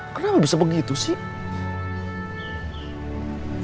kenapa bisa begitu sih